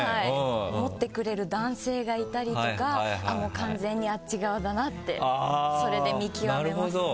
持ってくれる男性がいたりとか完全にあっち側だなってそれで見極めますね。